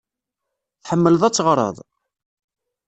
Tḥemmleḍ ad teɣreḍ?